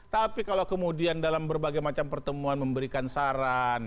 tapi kalau kemudian dalam berbagai macam pertemuan memberikan saran